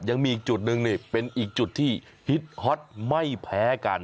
ยังมีอีกจุดหนึ่งนี่เป็นอีกจุดที่ฮิตฮอตไม่แพ้กัน